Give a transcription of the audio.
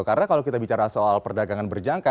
karena kalau kita bicara soal perdagangan berjangka